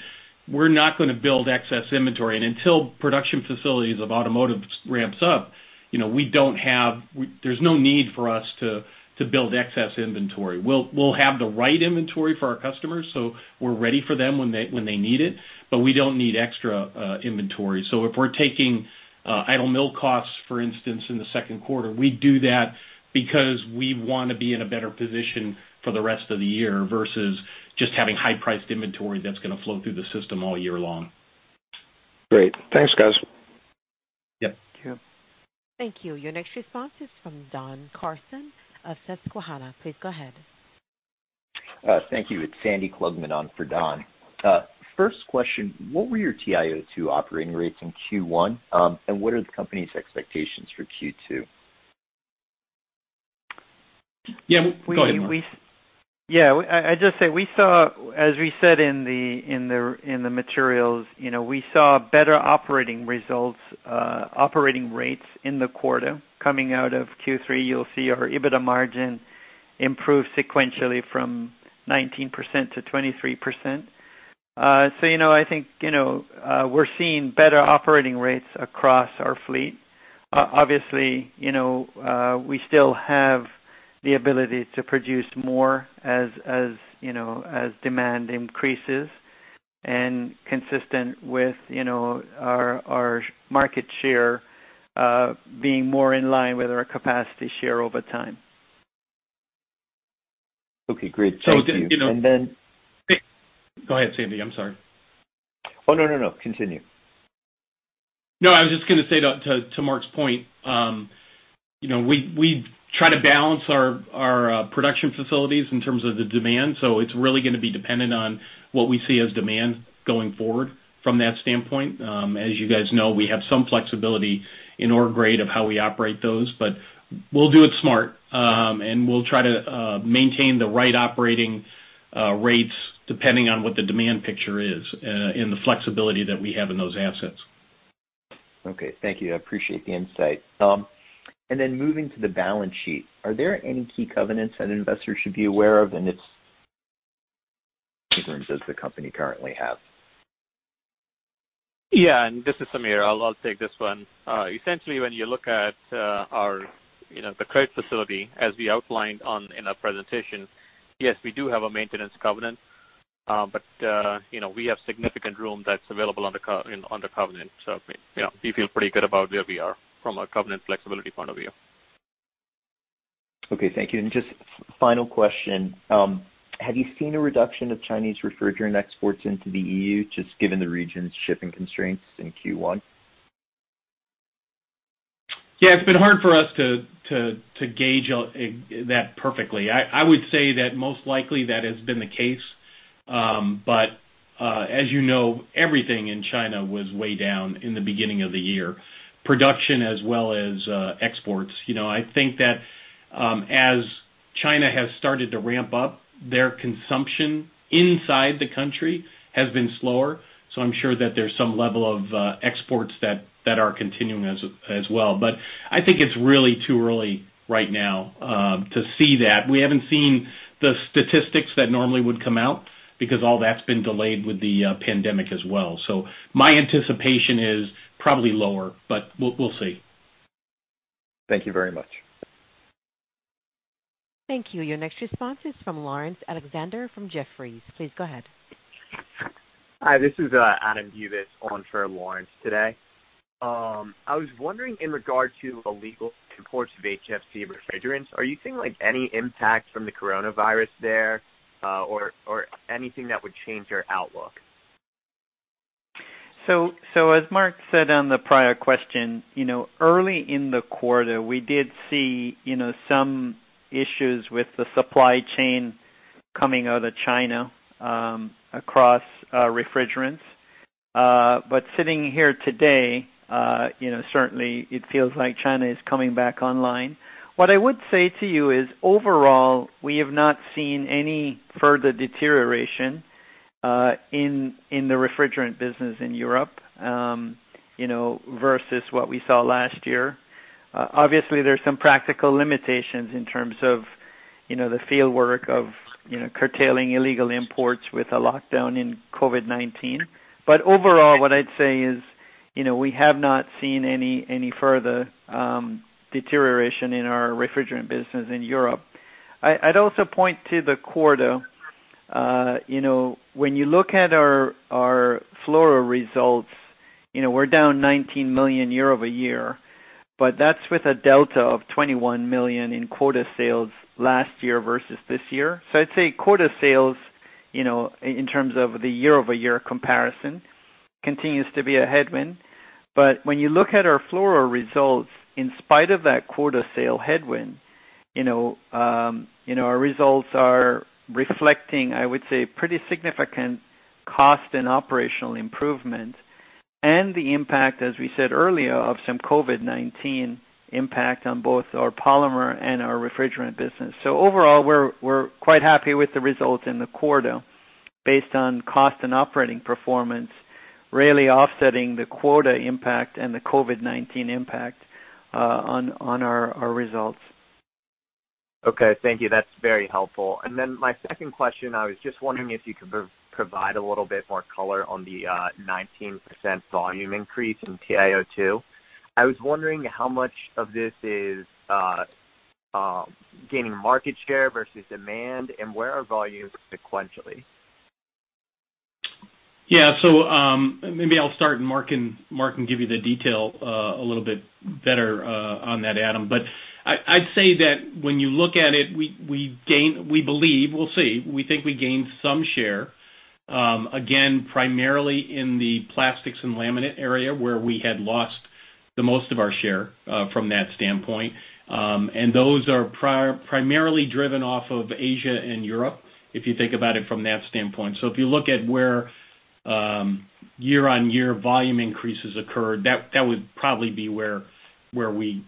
we're not going to build excess inventory. Until production facilities of automotive ramps up, there's no need for us to build excess inventory. We'll have the right inventory for our customers, so we're ready for them when they need it, but we don't need extra inventory. If we're taking idle mill costs, for instance, in the second quarter. We do that because we want to be in a better position for the rest of the year versus just having high-priced inventory that's going to flow through the system all year long. Great. Thanks, guys. Yep. Yep. Thank you. Your next response is from Don Carson of Susquehanna. Please go ahead. Thank you. It's Sandy Klugman on for Don. First question, what were your TiO2 operating rates in Q1, and what are the company's expectations for Q2? Yeah. Go ahead, Mark. Yeah. I'd just say, as we said in the materials, we saw better operating results, operating rates in the quarter. Coming out of Q3, you'll see our EBITDA margin improve sequentially from 19% to 23%. I think we're seeing better operating rates across our fleet. Obviously, we still have the ability to produce more as demand increases and consistent with our market share being more in line with our capacity share over time. Okay, great. Thank you. Go ahead, Sandy. I'm sorry. Oh, no, continue. I was just going to say to Mark's point, we try to balance our production facilities in terms of the demand. It's really going to be dependent on what we see as demand going forward from that standpoint. As you guys know, we have some flexibility in our grade of how we operate those. We'll do it smart, and we'll try to maintain the right operating rates depending on what the demand picture is and the flexibility that we have in those assets. Okay, thank you. I appreciate the insight. Moving to the balance sheet, are there any key covenants that investors should be aware of, and does the company currently have? This is Sameer. I'll take this one. Essentially, when you look at the credit facility as we outlined in our presentation, yes, we do have a maintenance covenant. We have significant room that's available on the covenant. We feel pretty good about where we are from a covenant flexibility point of view. Okay, thank you. Just final question. Have you seen a reduction of Chinese refrigerant exports into the EU, just given the region's shipping constraints in Q1? Yeah, it's been hard for us to gauge that perfectly. I would say that most likely that has been the case. As you know, everything in China was way down in the beginning of the year, production as well as exports. I think that as China has started to ramp up their consumption inside the country has been slower. I'm sure that there's some level of exports that are continuing as well. I think it's really too early right now to see that. We haven't seen the statistics that normally would come out because all that's been delayed with the pandemic as well. My anticipation is probably lower, but we'll see. Thank you very much. Thank you. Your next response is from Laurence Alexander from Jefferies. Please go ahead. Hi, this is Adam Bubes on for Laurence today. I was wondering in regard to illegal imports of HFC refrigerants, are you seeing any impact from the coronavirus there or anything that would change your outlook? As Mark said on the prior question, early in the quarter, we did see some issues with the supply chain coming out of China across refrigerants. Sitting here today, certainly it feels like China is coming back online. What I would say to you is overall, we have not seen any further deterioration in the refrigerant business in Europe versus what we saw last year. Obviously, there's some practical limitations in terms of the fieldwork of curtailing illegal imports with a lockdown in COVID-19. Overall, what I'd say is we have not seen any further deterioration in our refrigerant business in Europe. I'd also point to the quarter. When you look at our fluoro results, we're down $19 million year-over-year, but that's with a delta of $21 million in quota sales last year versus this year. I'd say quota sales in terms of the year-over-year comparison continues to be a headwind. When you look at our Fluoro results, in spite of that quota sale headwind, our results are reflecting, I would say, pretty significant cost and operational improvement and the impact, as we said earlier, of some COVID-19 impact on both our polymer and our refrigerant business. Overall, we're quite happy with the results in the quarter based on cost and operating performance really offsetting the quota impact and the COVID-19 impact on our results. Okay, thank you. That's very helpful. My second question, I was just wondering if you could provide a little bit more color on the 19% volume increase in TiO2. I was wondering how much of this is gaining market share versus demand, and where are volumes sequentially? Yeah. Maybe I'll start, and Mark can give you the detail a little bit better on that, Adam. I'd say that when you look at it, we believe, we'll see, we think we gained some share, again, primarily in the plastics and laminate area where we had lost the most of our share from that standpoint. Those are primarily driven off of Asia and Europe, if you think about it from that standpoint. If you look at where year-on-year volume increases occurred, that would probably be where we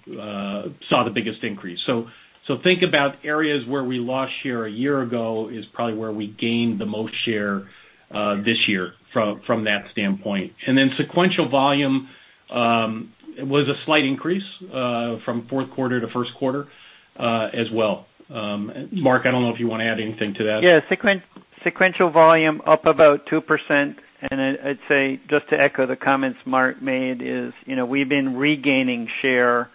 saw the biggest increase. Think about areas where we lost share a year ago is probably where we gained the most share this year from that standpoint. Sequential volume was a slight increase from fourth quarter to first quarter as well. Mark, I don't know if you want to add anything to that. Yeah. Sequential volume up about 2%. I'd say, just to echo the comments Mark made, is we've been regaining share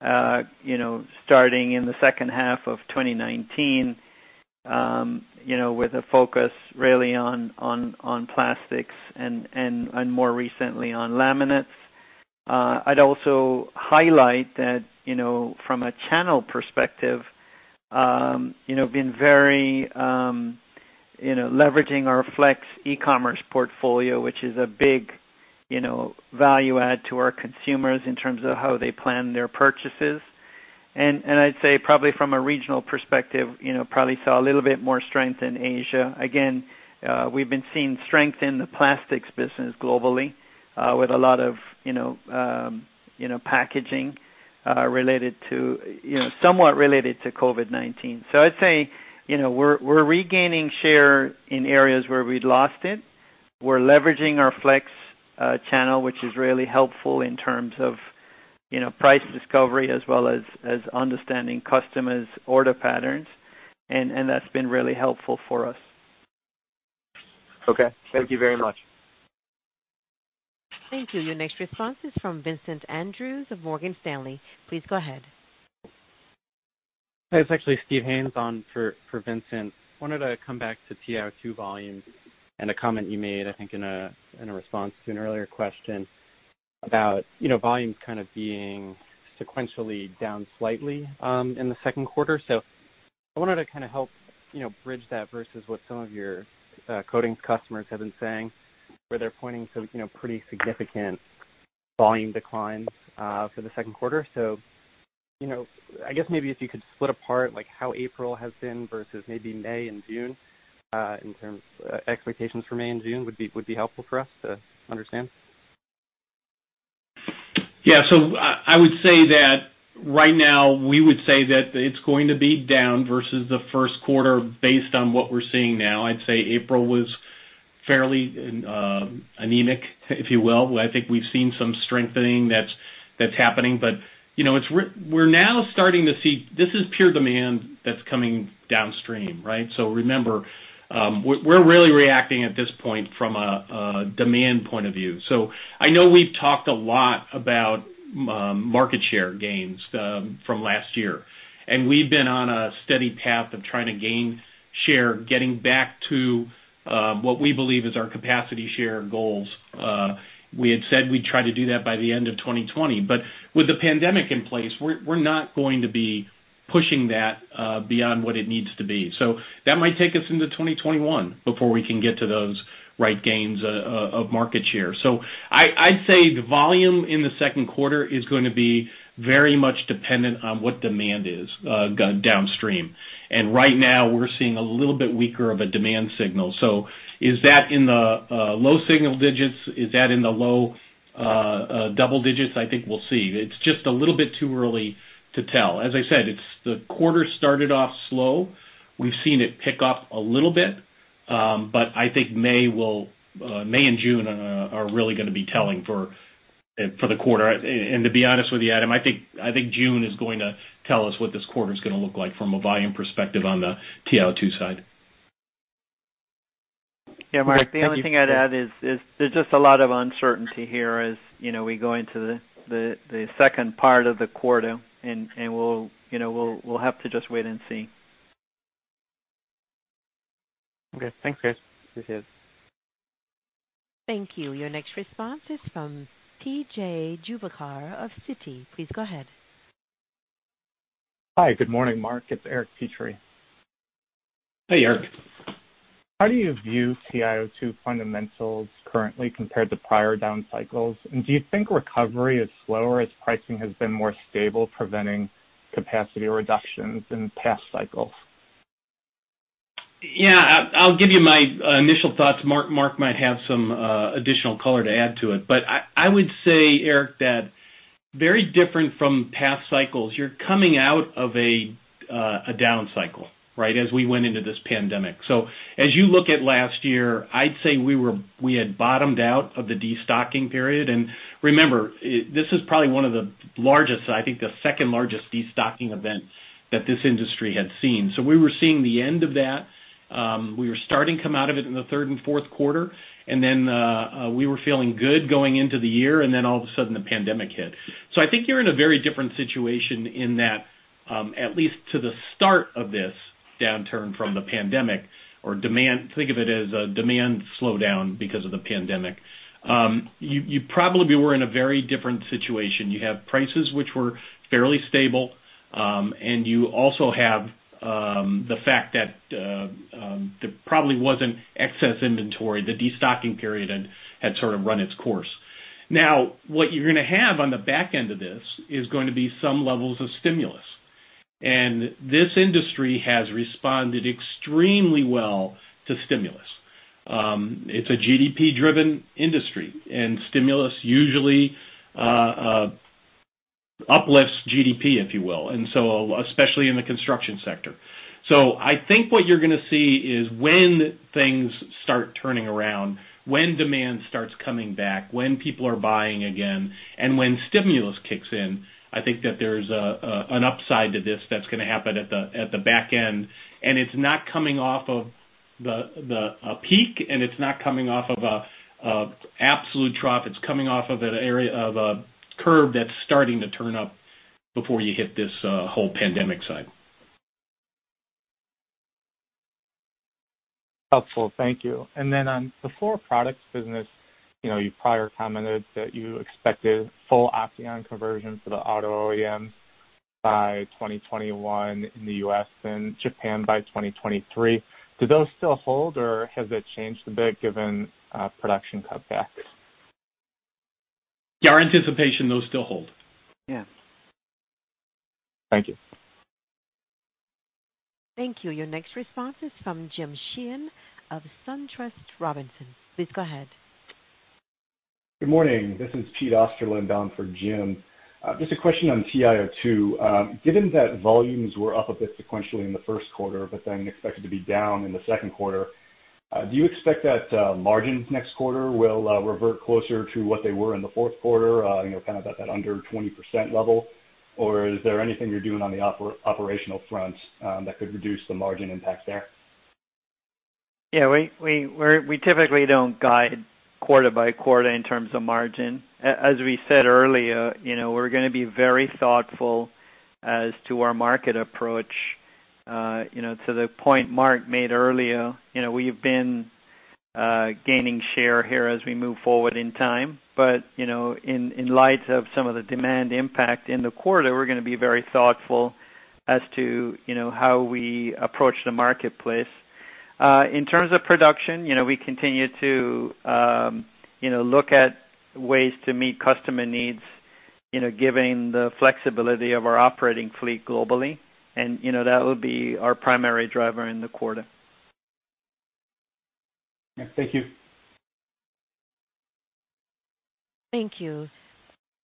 starting in the second half of 2019 with a focus really on plastics and more recently on laminates. I'd also highlight that from a channel perspective, been very leveraging our Flex e-commerce portfolio, which is a big value add to our consumers in terms of how they plan their purchases. I'd say probably from a regional perspective, probably saw a little bit more strength in Asia. Again, we've been seeing strength in the plastics business globally with a lot of packaging somewhat related to COVID-19. I'd say we're regaining share in areas where we'd lost it. We're leveraging our Flex channel, which is really helpful in terms of price discovery as well as understanding customers' order patterns, and that's been really helpful for us. Okay. Thank you very much. Thank you. Your next response is from Vincent Andrews of Morgan Stanley. Please go ahead. It's actually Steve Haynes on for Vincent. Wanted to come back to TiO2 volumes and a comment you made, I think in a response to an earlier question about volumes kind of being sequentially down slightly in the second quarter. I wanted to kind of help bridge that versus what some of your coatings customers have been saying, where they're pointing to pretty significant volume declines for the second quarter. I guess maybe if you could split apart how April has been versus maybe May and June in terms of expectations for May and June would be helpful for us to understand. Yeah. I would say that right now we would say that it's going to be down versus the first quarter based on what we're seeing now. I'd say April was fairly anemic, if you will. I think we've seen some strengthening that's happening. We're now starting to see this is pure demand that's coming downstream, right? Remember, we're really reacting at this point from a demand point of view. I know we've talked a lot about market share gains from last year, and we've been on a steady path of trying to gain share, getting back to what we believe is our capacity share goals. We had said we'd try to do that by the end of 2020. With the pandemic in place, we're not going to be pushing that beyond what it needs to be. That might take us into 2021 before we can get to those right gains of market share. I'd say the volume in the second quarter is going to be very much dependent on what demand is downstream. Right now we're seeing a little bit weaker of a demand signal. Is that in the low single digits? Is that in the low double digits? I think we'll see. It's just a little bit too early to tell. As I said, the quarter started off slow. We've seen it pick up a little bit. I think May and June are really going to be telling for the quarter. To be honest with you, Adam, I think June is going to tell us what this quarter is going to look like from a volume perspective on the TiO2 side. Yeah, Mark, the only thing I'd add is there's just a lot of uncertainty here as we go into the second part of the quarter. We'll have to just wait and see. Okay. Thanks, guys. Appreciate it. Thank you. Your next response is from P.J. Juvekar of Citi. Please go ahead. Hi, good morning, Mark. It's Eric Petrie. Hey, Eric. How do you view TiO2 fundamentals currently compared to prior down cycles? Do you think recovery is slower as pricing has been more stable, preventing capacity reductions in past cycles? Yeah. I'll give you my initial thoughts. Mark might have some additional color to add to it. I would say, Eric, that very different from past cycles. You're coming out of a down cycle right as we went into this pandemic. As you look at last year, I'd say we had bottomed out of the destocking period. Remember, this is probably one of the largest, I think the second largest destocking event that this industry had seen. We were seeing the end of that. We were starting to come out of it in the third and fourth quarter, we were feeling good going into the year, all of a sudden the pandemic hit. I think you're in a very different situation in that. At least to the start of this downturn from the pandemic, or think of it as a demand slowdown because of the pandemic. You probably were in a very different situation. You have prices which were fairly stable, and you also have the fact that there probably wasn't excess inventory. The de-stocking period had sort of run its course. What you're going to have on the back end of this is going to be some levels of stimulus. This industry has responded extremely well to stimulus. It's a GDP-driven industry, and stimulus usually uplifts GDP, if you will, and so especially in the construction sector. I think what you're going to see is when things start turning around, when demand starts coming back, when people are buying again, and when stimulus kicks in, I think that there's an upside to this that's going to happen at the back end, and it's not coming off of a peak, and it's not coming off of an absolute trough. It's coming off of an area of a curve that's starting to turn up before you hit this whole pandemic side. Helpful. Thank you. On the Fluoroproducts business, you prior commented that you expected full Opteon conversion for the auto OEM by 2021 in the U.S. and Japan by 2023. Do those still hold or has it changed a bit given production cutback? Our anticipation, those still hold. Yeah. Thank you. Thank you. Your next response is from Jim Sheehan of SunTrust Robinson. Please go ahead. Good morning. This is Pete Osterland bound for Jim. Just a question on TiO2. Given that volumes were up a bit sequentially in the first quarter, but then expected to be down in the second quarter, do you expect that margins next quarter will revert closer to what they were in the fourth quarter, kind of at that under 20% level? Is there anything you're doing on the operational front that could reduce the margin impact there? We typically don't guide quarter by quarter in terms of margin. As we said earlier, we're going to be very thoughtful as to our market approach. To the point Mark made earlier, we've been gaining share here as we move forward in time. In light of some of the demand impact in the quarter, we're going to be very thoughtful as to how we approach the marketplace. In terms of production, we continue to look at ways to meet customer needs given the flexibility of our operating fleet globally, and that would be our primary driver in the quarter. Thank you. Thank you.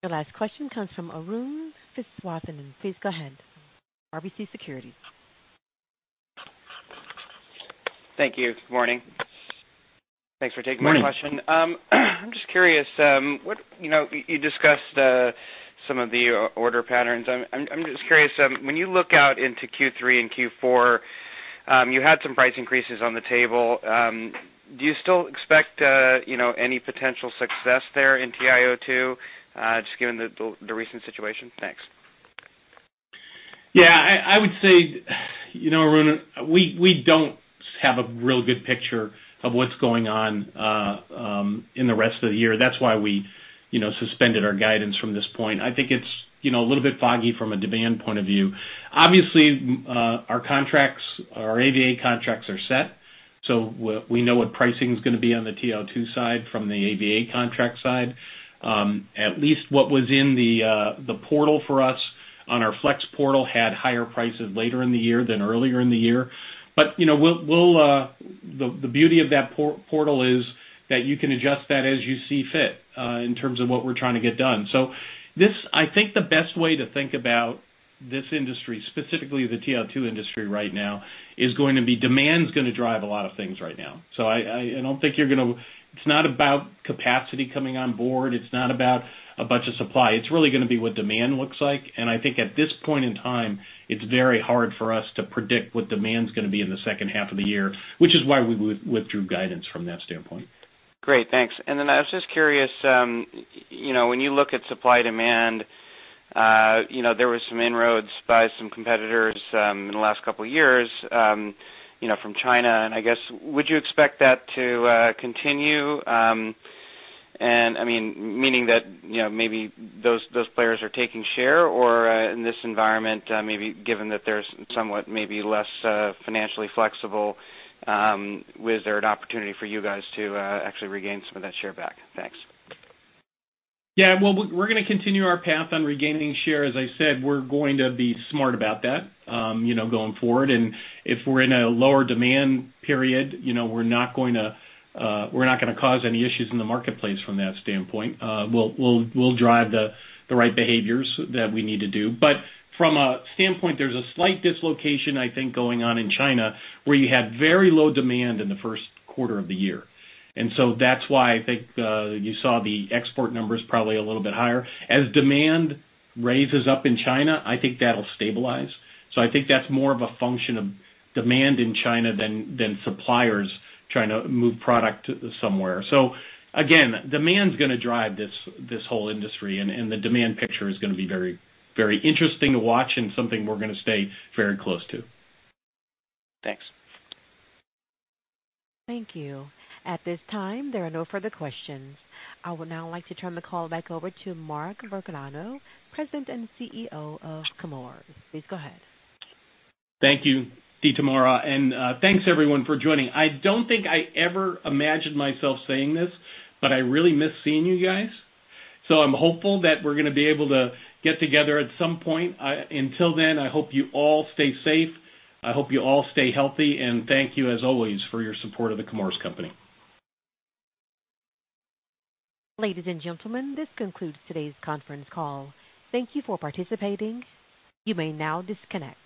Your last question comes from Arun Viswanathan. Please go ahead. RBC Capital Markets. Thank you. Good morning. Thanks for taking my question. Morning. I'm just curious. You discussed some of the order patterns. I'm just curious, when you look out into Q3 and Q4, you had some price increases on the table. Do you still expect any potential success there in TiO2, just given the recent situation? Thanks. Yeah, I would say, Arun, we don't have a real good picture of what's going on in the rest of the year. That's why we suspended our guidance from this point. I think it's a little bit foggy from a demand point of view. Obviously, our contracts, our AVA contracts are set, so we know what pricing's going to be on the TiO2 side from the AVA contract side. At least what was in the portal for us on our Flex portal had higher prices later in the year than earlier in the year. The beauty of that portal is that you can adjust that as you see fit in terms of what we're trying to get done. I think the best way to think about this industry, specifically the TiO2 industry right now, is going to be demand's going to drive a lot of things right now. It's not about capacity coming on board. It's not about a bunch of supply. It's really going to be what demand looks like. I think at this point in time, it's very hard for us to predict what demand's going to be in the second half of the year, which is why we withdrew guidance from that standpoint. Great. Thanks. I was just curious, when you look at supply-demand, there was some inroads by some competitors in the last couple of years from China, and I guess would you expect that to continue? Meaning that maybe those players are taking share, or in this environment given that they're somewhat less financially flexible, was there an opportunity for you guys to actually regain some of that share back? Thanks. Yeah. Well, we're going to continue our path on regaining share. As I said, we're going to be smart about that going forward. If we're in a lower demand period, we're not going to cause any issues in the marketplace from that standpoint. We'll drive the right behaviors that we need to do. From a standpoint, there's a slight dislocation, I think, going on in China, where you had very low demand in the first quarter of the year. That's why I think you saw the export numbers probably a little bit higher. As demand raises up in China, I think that'll stabilize. I think that's more of a function of demand in China than suppliers trying to move product somewhere. Again, demand's going to drive this whole industry, and the demand picture is going to be very interesting to watch and something we're going to stay very close to. Thanks. Thank you. At this time, there are no further questions. I would now like to turn the call back over to Mark Vergnano, President and CEO of Chemours. Please go ahead. Thank you. [inaudible] Thanks everyone for joining. I don't think I ever imagined myself saying this, but I really miss seeing you guys. I'm hopeful that we're going to be able to get together at some point. Until then, I hope you all stay safe, I hope you all stay healthy, and thank you as always for your support of The Chemours Company. Ladies and gentlemen, this concludes today's conference call. Thank you for participating. You may now disconnect.